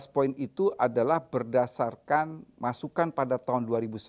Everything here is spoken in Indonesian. empat belas poin itu adalah berdasarkan masukan pada tahun dua ribu sembilan belas